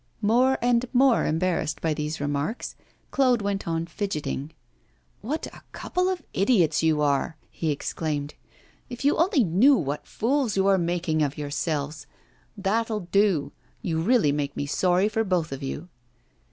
More and more embarrassed by these remarks, Claude went on fidgetting. 'What a couple of idiots you are!' he exclaimed, 'If you only knew what fools you are making of yourselves. That'll do. You really make me sorry for both of you.